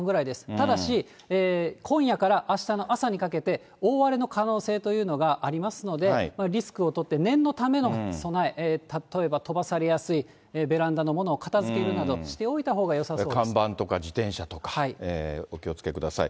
ただし、今夜からあしたの朝にかけて大荒れの可能性というのがありますので、リスクを取って、念のための備え、例えば飛ばされやすいベランダのものを片づけるなどしておいたほ看板とか自転車とか、お気をつけください。